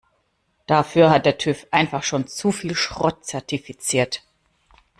Dafür hat der TÜV einfach schon zu viel Schrott zertifiziert.